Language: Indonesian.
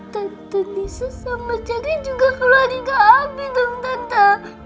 tante nisa sama jerry juga keluarga abi dong tante